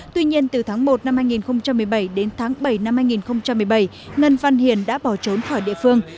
tuy nhiên từ tháng một năm hai nghìn một mươi bảy đến tháng bảy năm hai nghìn một mươi bảy ngân văn hiền đã bỏ trốn khỏi địa phương